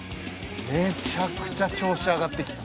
めちゃくちゃ調子上がってきた。